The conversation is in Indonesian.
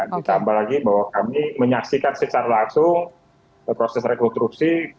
ditambah lagi bahwa kami menyaksikan secara langsung proses rekonstruksi